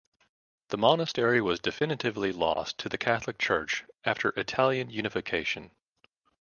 The monastery was definitively lost to the Catholic Church after Italian unification.